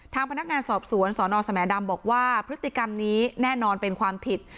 ทางพนักงานสอบสวนสนสมดำบอกว่าพฤติกรรมนี้แน่นอนเป็นความผิด